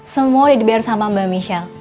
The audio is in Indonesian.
semua udah dibayar sama mbak michelle